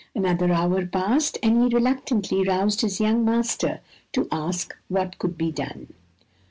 Another hour passed, and he reluctantly roused his young master to ask what could be done.